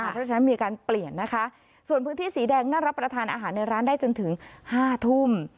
เพราะฉะนั้นมีการเปลี่ยนนะคะส่วนพื้นที่สีแดงน่ารับประทานอาหารในร้านได้จนถึง๕ทุ่ม